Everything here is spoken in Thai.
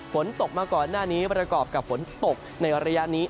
ฝนตกมาก่อนหน้านี้ประกอบกับฝนตกในระยะนี้